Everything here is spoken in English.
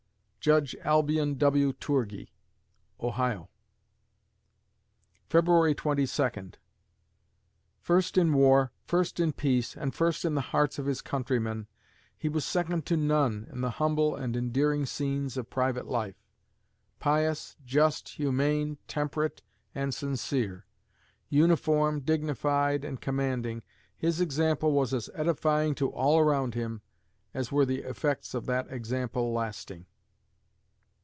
JUDGE ALBION W. TOURGEE (Ohio) February Twenty Second First in war, first in peace, and first in the hearts of his countrymen, he was second to none in the humble and endearing scenes of private life; pious, just, humane, temperate, and sincere; uniform, dignified, and commanding, his example was as edifying to all around him, as were the effects of that example lasting.